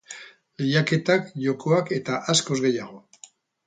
Lehiaketak, jokoak eta askoz gehiago.